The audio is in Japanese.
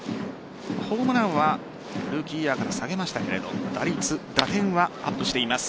ホームランはルーキーイヤーから下げましたが打率、打点はアップしています。